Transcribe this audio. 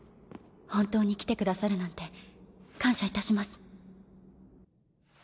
本当に来てくださるなんて感謝いたします。